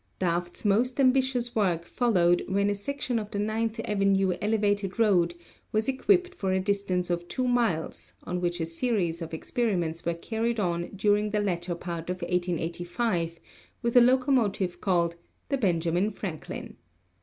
Daft's most ambitious work followed when a section of the Ninth Avenue Elevated Road was equipped for a dis tance of two miles, on which a series of experiments were carried on during the latter part of 1885, with a locomotive called "The Benjamin Franklin."